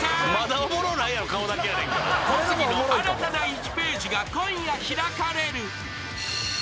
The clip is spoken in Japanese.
［小杉の新たな一ページが今夜開かれる］